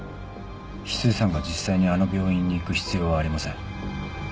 翡翠さんが実際にあの病院に行く必要はありません。